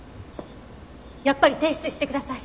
やっぱり提出してください！